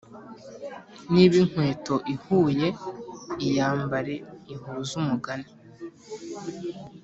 niba inkweto ihuye, iyambare ihuza umugani